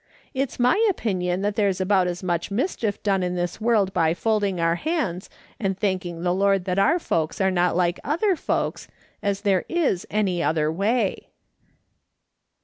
It's my opinion that there's about as much mischief done in this world by folding our hands and thanking the Lord that our folks are not like other folks, as there is any other way.'